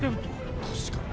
確かに。